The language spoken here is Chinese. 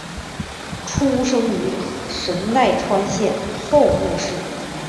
出身于神奈川县厚木市。